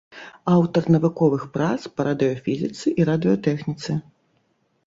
Аўтар навуковых прац па радыёфізіцы і радыётэхніцы.